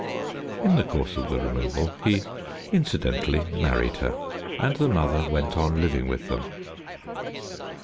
In the course of the removal he incidentally married her, and the mother went on living with them.